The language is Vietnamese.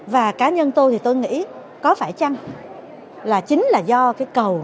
và cá nhân tôi thì tôi nghĩ có phải chăng là chính là do cái cầu